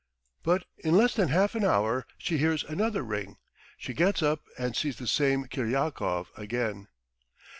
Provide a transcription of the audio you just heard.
But in less than half an hour she hears another ring; she gets up and sees the same Kiryakov again.